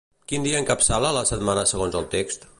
Quin dia encapçala la setmana segons el text?